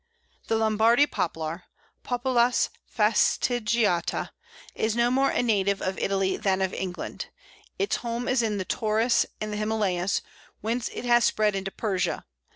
The Lombardy Poplar (Populus fastigiata) is no more a native of Italy than of England. Its home is in the Taurus and the Himalayas, whence it has spread into Persia.